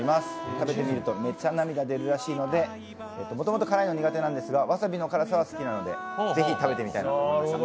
食べてみると、めっちゃ涙が出るらしいのでもともと辛いの苦手なんですがわさびの辛さは好きなのでぜひ食べてみたいなと思いました。